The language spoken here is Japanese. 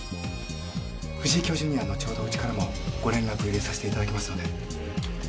藤井教授には後ほどウチからもご連絡を入れさせていただきます